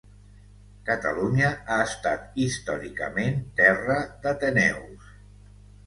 Catalunya ha estat històricament terra d’ateneus.